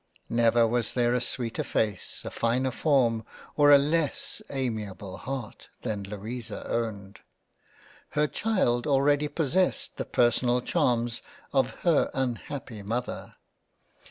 Never was there a sweeter face, a finer form, or a less amiable Heart than Louisa owned ! Her child already possesses the per sonal Charms of her unhappy Mother